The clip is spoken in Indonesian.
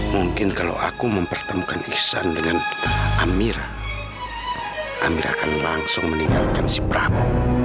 mungkin kalau aku mempertemukan ihsan dengan amira amir akan langsung meninggalkan si prabu